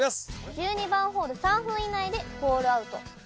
１２番ホール３分以内でホールアウト。